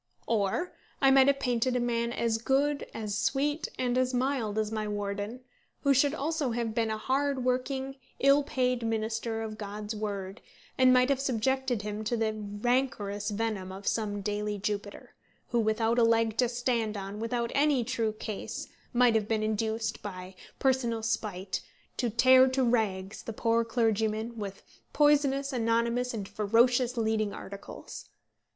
Or I might have painted a man as good, as sweet, and as mild as my warden, who should also have been a hard working, ill paid minister of God's word, and might have subjected him to the rancorous venom of some daily Jupiter, who, without a leg to stand on, without any true case, might have been induced, by personal spite, to tear to rags the poor clergyman with poisonous, anonymous, and ferocious leading articles.